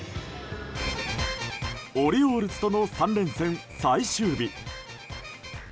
オリオールズとの３連戦最終日。